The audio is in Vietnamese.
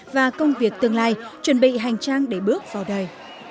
và công việc tương lai chuẩn bị hành trang để bước vào đời